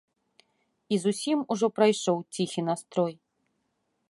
І зусім ужо прайшоў ціхі настрой.